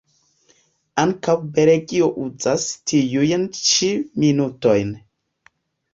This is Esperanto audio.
Ankaŭ Belgio uzas tiujn ĉi minutojn.